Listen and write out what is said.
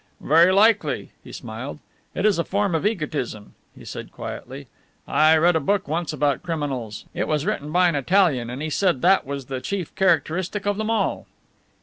"Very likely," he smiled. "It is a form of egotism," he said quietly. "I read a book once about criminals. It was written by an Italian and he said that was the chief characteristic of them all."